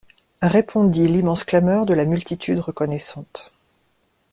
Répondit l'immense clameur de la multitude reconnaissante.